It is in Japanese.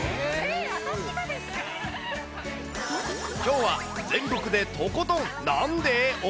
きょうは全国でとことんなんで？を